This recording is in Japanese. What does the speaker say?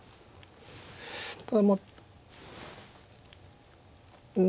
ただまあうん